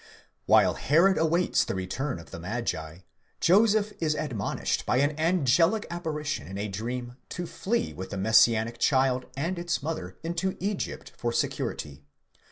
While Herod awaits the return of the magi, Joseph isadmonished by an angelic apparition in a dream to flee with the Messianic child and its mother into Egypt for security (v.